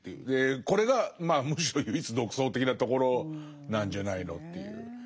これがまあむしろ唯一独創的なところなんじゃないのという。